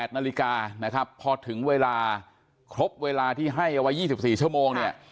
๘นาฬิกานะครับพอถึงเวลาครบเวลาที่ให้เอาไว้๒๔ชั่วโมงเนี่ย